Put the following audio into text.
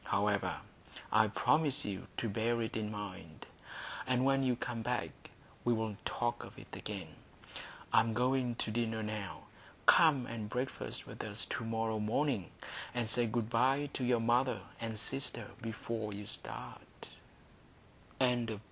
However, I promise you to bear it in mind, and when you come back we'll talk of it again. I am going to dinner now. Come and breakfast with us to morrow morning, and say good bye to your mother and sister before you start." Chapter VI.